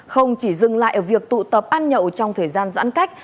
không chỉ dừng lại ở việc tụ tập ăn nhậu trong thời gian giãn cách